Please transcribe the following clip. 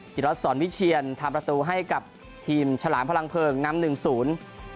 จิตรัสสอนวิเชียนทำประตูให้กับทีมฉลามพลังเพลิงนำหนึ่งศูนย์